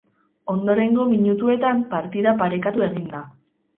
Ondorengo minutuetan partida parekatu egin da.